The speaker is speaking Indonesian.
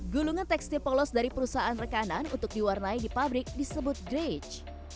gulungan tekstil polos dari perusahaan rekanan untuk diwarnai di pabrik disebut drige